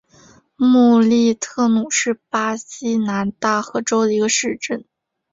穆利特努是巴西南大河州的一个市镇。